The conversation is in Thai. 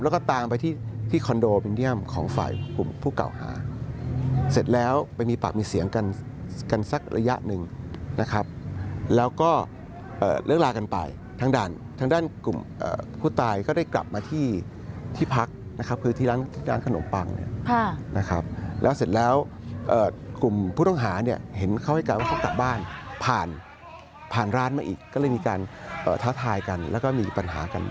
แล้วก็ตามไปที่คอนโดมิเนียมของฝ่ายกลุ่มผู้เก่าหาเสร็จแล้วไปมีปากมีเสียงกันกันสักระยะหนึ่งนะครับแล้วก็เลิกลากันไปทางด้านทางด้านกลุ่มผู้ตายก็ได้กลับมาที่ที่พักนะครับคือที่ร้านขนมปังเนี่ยนะครับแล้วเสร็จแล้วกลุ่มผู้ต้องหาเนี่ยเห็นเขาให้การว่าเขากลับบ้านผ่านผ่านร้านมาอีกก็เลยมีการท้าทายกันแล้วก็มีปัญหากัน